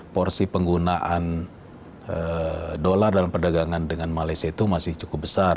porsi penggunaan dolar dalam perdagangan dengan malaysia itu masih cukup besar